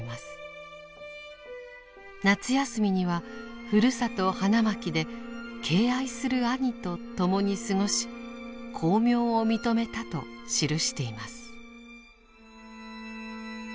夏休みにはふるさと花巻で「敬愛する兄」と共に過ごし「光明」を認めたと記しています。